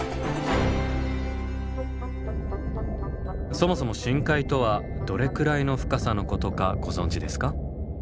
そもそも深海とはどれくらいの深さのことかご存じですか？